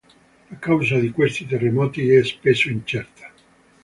La causa di questi terremoti è spesso incerta.